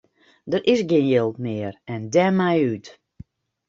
Der is gjin jild mear en dêrmei út.